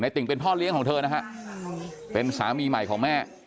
ติ่งเป็นพ่อเลี้ยงของเธอนะฮะเป็นสามีใหม่ของแม่